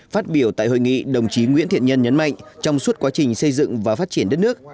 phát biểu tại hội nghị đồng chí nguyễn thiện nhân nhấn mạnh trong suốt quá trình xây dựng và phát triển đất nước